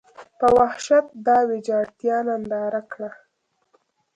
په وحشت دا ویجاړتیا ننداره کړه.